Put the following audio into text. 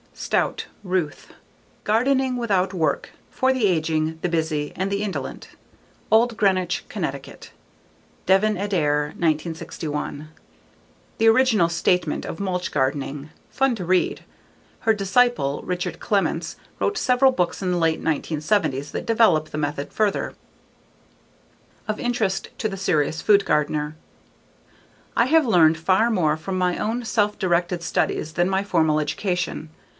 Stout, Ruth. Gardening Without Work: For the Aging, the Busy and the Indolent. Old Greenwich, Connecticut: Devin Adair, 1961. The original statement of mulch gardening. Fun to read. Her disciple, Richard Clemence, wrote several books in the late 1970s that develop the method further. Of interest to the serious food gardener I have learned far more from my own self directed studies than my formal education.